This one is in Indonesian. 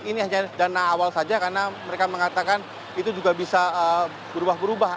ini hanya dana awal saja karena mereka mengatakan itu juga bisa berubah berubah